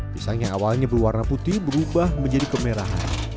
pisang yang awalnya berwarna putih berubah menjadi kemerahan